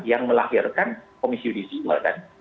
yang melahirkan komisi judisial kan